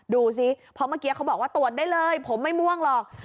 ดูสิเพราะเมื่อกี้เขาบอกว่าตรวจได้เลยผมไม่ม่วงหรอก